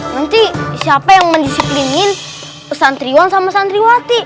nanti siapa yang menisiplinin santriwan sama santriwati